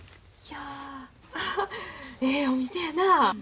いやええお店やな。